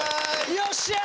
よっしゃー！